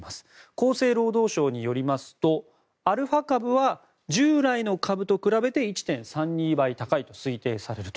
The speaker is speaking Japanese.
厚生労働省によりますとアルファ株は従来の株と比べて１．３２倍高いと推定されると。